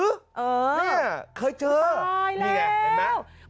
เนี่ยเคยเจอนี่แหละเห็นไหมเห็นไหมโอ้โฮ